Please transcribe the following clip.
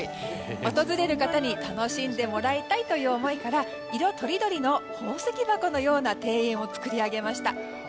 訪れる方に楽しんでもらいたいという思いから色とりどりの宝石箱のような庭園を作り上げました。